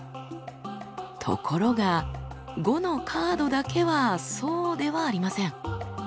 ところが「５」のカードだけはそうではありません。